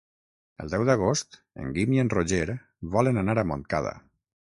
El deu d'agost en Guim i en Roger volen anar a Montcada.